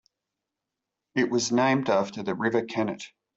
It was named after the River Kennet.